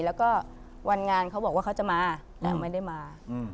แล้วก็วันงานเขาบอกว่าเขาจะมาแต่ไม่ได้มา